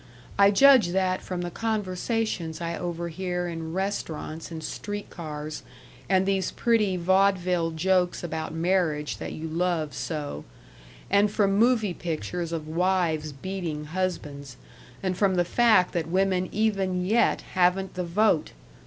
I judge that from the conversations I overhear in restaurants and street cars, and these pretty vaudeville jokes about marriage that you love so, and from movie pictures of wives beating husbands, and from the fact that women even yet haven't the vote.